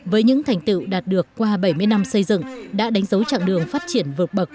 với những thành tựu đạt được qua bảy mươi năm xây dựng đã đánh dấu chặng đường phát triển vượt bậc